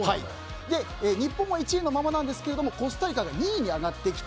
日本は１位のままなんですけどコスタリカが２位に上がってきて。